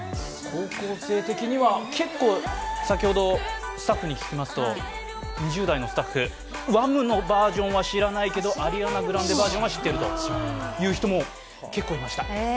先ほどスタッフに聞きますと、２０代のスタッフ、Ｗｈａｍ！のバージョンは知らないけど、アリアナ・グランデバージョンは知っているという人も結構いました。